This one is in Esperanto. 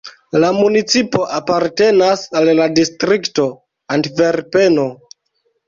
La municipo apartenas al la distrikto "Antverpeno".